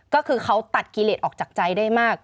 ก็คือเขาตัดกิเลสออกจากใจได้มาก